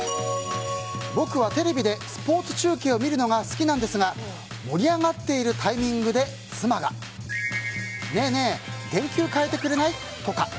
僕はテレビでスポーツ中継を見るのが好きなんですが盛り上がっているタイミングで妻がねえねえ電球替えてくれない？とか